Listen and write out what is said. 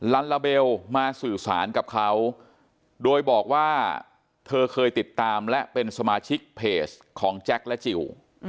ลาลาเบลมาสื่อสารกับเขาโดยบอกว่าเธอเคยติดตามและเป็นสมาชิกเพจของแจ็คและจิล